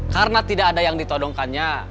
karena tidak ada yang ditodongkannya